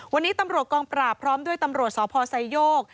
วันนี้ตำรวจกองปราบพร้อมด้วยตำรวจสพไซโยก